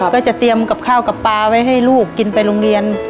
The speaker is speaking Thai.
ก็จะเตรียมกับข้าวกับปลาไว้ให้ลูกกินไปโรงเรียน